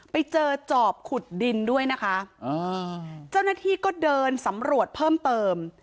ไปเจอจอบขุดดินด้วยนะคะเจ้าหน้าที่ก็เดินสำรวจเพิ่มเติม